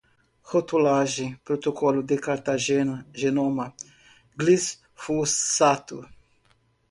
rotulagem, protocolo de cartagena, genoma, glifosato